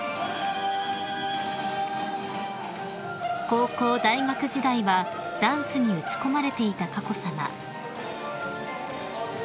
［高校・大学時代はダンスに打ち込まれていた佳子さま］